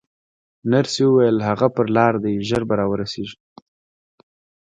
نرسې وویل: هغه پر لار دی، ژر به راورسېږي.